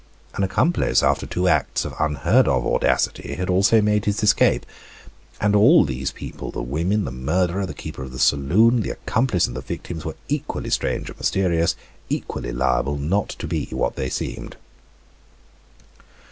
An accomplice, after two acts of unheard of audacity, had also made his escape. And all these people the women, the murderer, the keeper of the saloon, the accomplice, and the victims were equally strange and mysterious, equally liable not to be what they seemed.